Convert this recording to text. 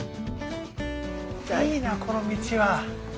いいなこの道は。